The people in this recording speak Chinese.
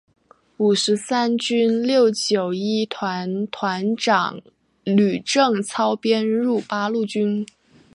五十三军六九一团团长吕正操编入八路军。